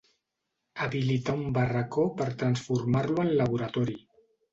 Habilitar un barracó per transformar-lo en laboratori.